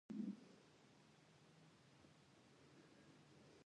د افغانستان تاریخ د جنګونو او پاڅونونو تاریخ دی.